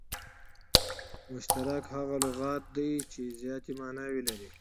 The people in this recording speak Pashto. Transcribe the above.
مشترک هغه لغت دئ، چي زیاتي ماناوي ولري.